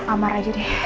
amar aja deh